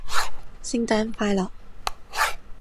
聖誕快樂